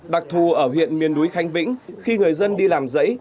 đặc thù ở huyện miền núi khánh vĩnh khi người dân đi làm dãy